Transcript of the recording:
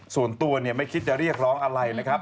ส่วนตัวไม่คิดจะเรียกร้องอะไรนะครับ